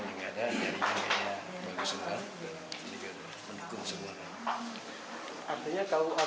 yang penting semua izin mengizinkan